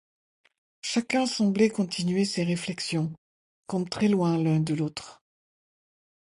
Chacun semblait continuer ses réflexions, comme très loin l’un de l’autre.